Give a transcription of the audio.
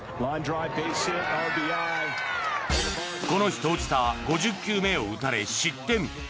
この日投じた５０球目を打たれ失点。